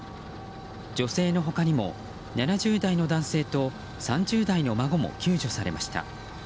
女性の他にも７０代の男性と３０代の孫も救助されました。